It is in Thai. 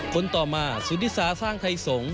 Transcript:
คนต่อมาสุธิสาสร้างไทยสงฆ